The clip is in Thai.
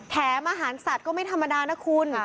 แถมอาหารสัตว์ก็ไม่ธรรมดานะคุณ